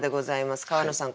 川野さん